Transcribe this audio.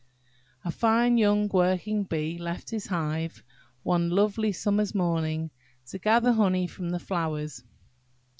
A FINE young Working bee left his hive, one lovely summer's morning, to gather honey from the flowers.